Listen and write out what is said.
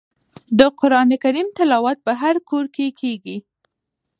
د قران کریم تلاوت په هر کور کې کیږي.